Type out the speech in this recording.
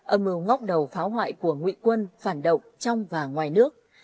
ấn mưu ngóc đầu phá hoại của nguyện quân phản động trong và ngoài nước